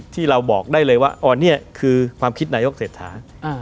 ที่เราบอกได้เลยว่าอ๋อนี่คือความคิดนายกเศรษฐา